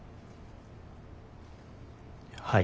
はい。